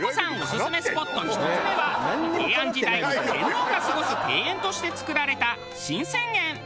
オススメスポット１つ目は平安時代の天皇が過ごす庭園として造られた。